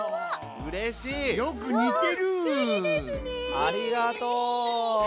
ありがとう！